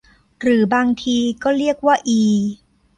หรือบางทีก็เรียกว่าอี